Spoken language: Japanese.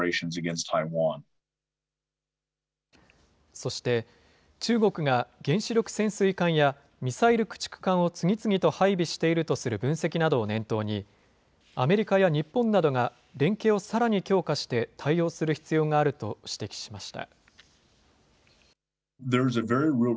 そして中国が原子力潜水艦や、ミサイル駆逐艦を次々と配備しているという分析などを念頭に、アメリカや日本などが連携をさらに強化して対応する必要があると指摘しました。